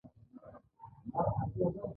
د صحي شرایطو تامین د کارکوونکي حق دی.